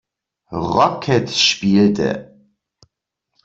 Rocket spielte.